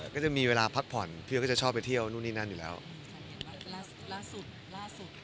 ก็จะมีเวลาพักผ่อนพี่เขาก็จะชอบไปเที่ยวนู่นนี่นั่นอยู่แล้วล่าสุดล่าสุด